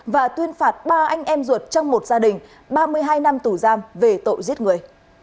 và tuyên phạt ba anh em ruột trong một gia đình ba mươi hai năm tù giam về tội giết người